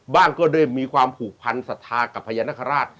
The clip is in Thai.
บ้างก็เลยมีความผูกพันธุ์สถากับพญานาคาราช